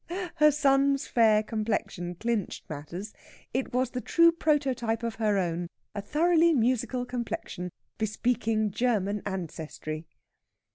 Her son's fair complexion clinched matters. It was the true prototype of her own. A thoroughly musical complexion, bespeaking German ancestry."